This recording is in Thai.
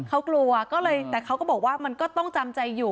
เขากลัวก็เลยแต่เขาก็บอกว่ามันก็ต้องจำใจอยู่